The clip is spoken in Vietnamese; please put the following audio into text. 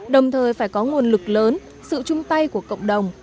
đồng thời phải có nguồn lực lớn sự chung tay của cộng đồng